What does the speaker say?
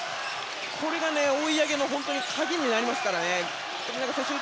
これが追い上げの鍵になりますからね。